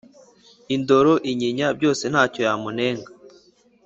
Indoro inyinya byose ntacyo wamunenga